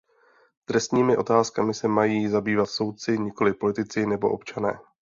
Trestními otázkami se mají zabývat soudci, nikoli politici nebo občané.